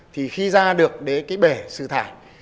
thì khi ra được để cái bể sử thải